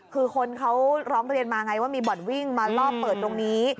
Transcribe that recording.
คือคนเขาร้องเรียนมาไงว่ามีบ่อนวิ่งมารอบเปิดตรงนี้